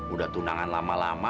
udah tunangan lama lama